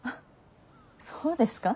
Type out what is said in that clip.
そうですか？